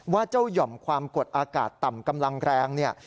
เจ้าหย่อมความกดอากาศต่ำกำลังแรงเนี่ย